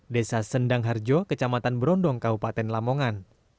desa sendang harjo kecamatan berondong kabupaten lamongan